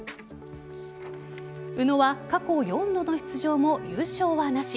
宇野は過去４度の出場も優勝はなし。